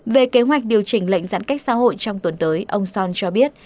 về kế hoạch điều chỉnh lệnh giãn cách xã hội trong tuần tới ông son cho biết